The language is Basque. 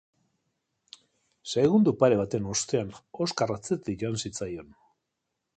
Segundo pare baten ostean, Oskar atzetik joan zitzaion.